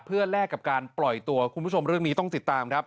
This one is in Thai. เพื่อแลกกับการปล่อยตัวคุณผู้ชมเรื่องนี้ต้องติดตามครับ